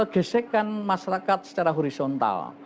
gesekan masyarakat secara horizontal